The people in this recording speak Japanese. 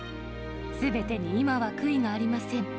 すべてに今は悔いがありません。